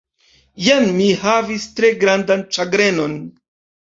Iam mi havis tre grandan ĉagrenon.